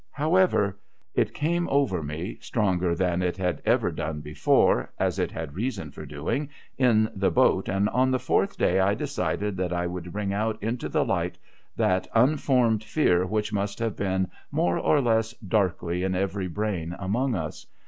However, it came over me stronger than it had ever done before — as it had reason for doing — in the boat, and on the fourth day I decided that I would bring out into the light that unformed fear which must have been more or less darkly in every brain among us.